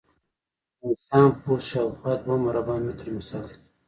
د انسان پوست شاوخوا دوه مربع متره مساحت لري.